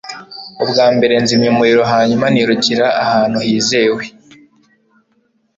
Ubwa mbere, nzimya umuriro hanyuma nirukira ahantu hizewe.